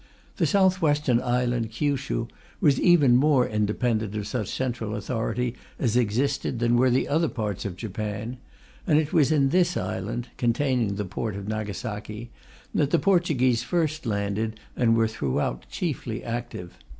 The south western island, Kyushu, was even more independent of such central authority as existed than were the other parts of Japan, and it was in this island (containing the port of Nagasaki) that the Portuguese first landed and were throughout chiefly active.